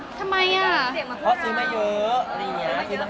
ทำไมอ่ะเพราะซื้อมาเยอะอะไรอย่างนี้